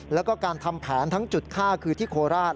แล้วก็การทำแผนทั้งจุดฆ่าคือที่โคราช